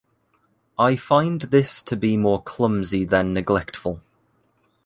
I find this to be more clumsy than neglectful.